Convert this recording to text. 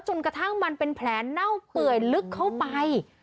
จนกระทั่งมันเป็นแผลเน่าเปื่อยลึกเข้าไป